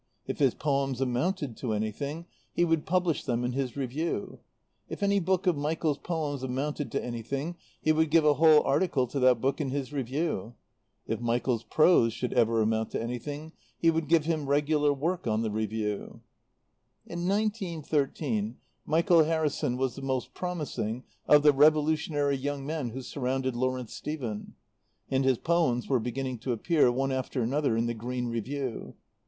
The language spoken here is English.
If his poems amounted to anything he would publish them in his Review. If any book of Michael's poems amounted to anything he would give a whole article to that book in his Review. If Michael's prose should ever amount to anything he would give him regular work on the Review. In nineteen thirteen Michael Harrison was the most promising of the revolutionary young men who surrounded Lawrence Stephen, and his poems were beginning to appear, one after another, in the Green Review.